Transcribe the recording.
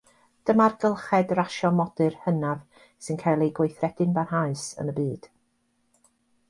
Dyma'r gylched rasio modur hynaf sy'n cael ei gweithredu'n barhaus yn y byd.